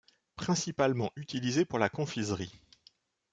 Principalement utilisé pour la confiserie.